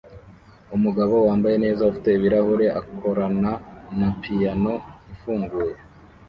Umugabo wambaye neza ufite ibirahure akorana na piyano ifunguye